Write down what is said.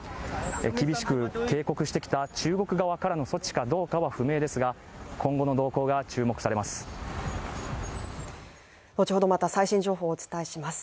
厳しく警告してきた中国側からの措置かどうかは不明ですが、今後の動向が注目されます。